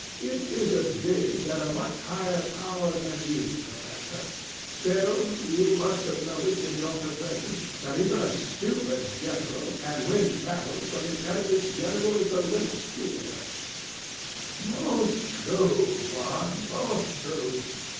It is a dig at a much higher power than you, Commander. Still, you must have noticed in your profession that even a stupid general can win battles when the enemy's general is a little stupider. THE STATUE. [very seriously] Most true, Juan, most true.